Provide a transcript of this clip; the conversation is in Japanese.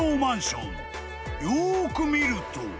［よーく見ると］